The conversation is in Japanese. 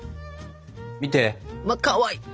見て！わっかわいい！